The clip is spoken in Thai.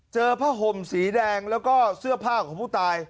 ผ้าห่มสีแดงแล้วก็เสื้อผ้าของผู้ตาย